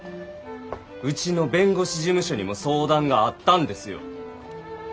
うちの弁護士事務所にも相談があったんですよ。